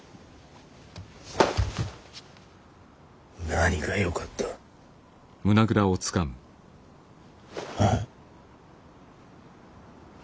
何がよかった？ああ？